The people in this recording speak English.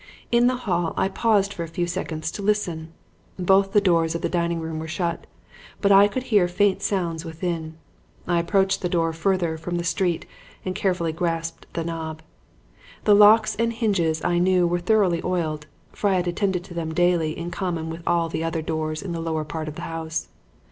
In the hall I paused for a few seconds to listen. Both the doors of the dining room were shut, but I could hear faint sounds within. I approached the door further from the street and carefully grasped the knob. The locks and hinges I knew were thoroughly oiled, for I had attended to them daily in common with all the other doors in the lower part of the house.